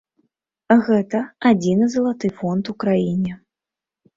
Гэта адзіны залаты фонд у краіне.